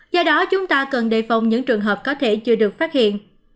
do đó chúng ta cần đề phòng những trường hợp có thể chưa được phát hiện